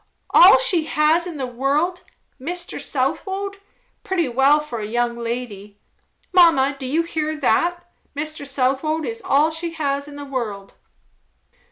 "All she has in the world! Mr. Southwode! Pretty well for a young lady! Mamma, do you hear that? Mr. Southwode is all she has in the world."